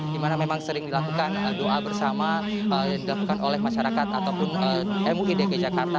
di mana memang sering dilakukan doa bersama yang dilakukan oleh masyarakat ataupun mui dki jakarta